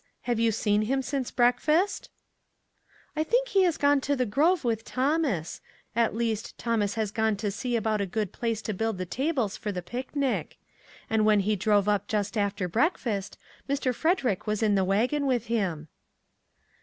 Have you seen him since breakfast ?"" I think he has gone to the grove with Thomas ; at least, Thomas has gone to see about a good place to build the tables for the picnic; and, when he drove up just after breakfast, Mr. Frederick was in the wagon with him."